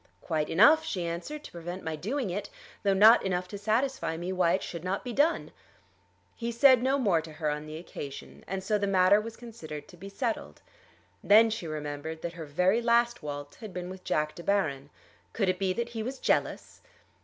"Quite enough," she answered, "to prevent my doing it, though not enough to satisfy me why it should not be done." He said no more to her on the occasion, and so the matter was considered to be settled. Then she remembered that her very last waltz had been with Jack De Baron. Could it be that he was jealous?